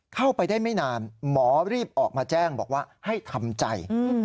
เข้าไปได้ไม่นานหมอรีบออกมาแจ้งบอกว่าให้ทำใจ